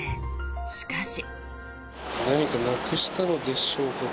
しかし。